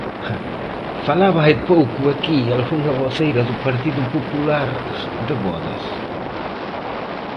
Falaba hai pouco aquí algunha voceira do Partido Popular de vodas.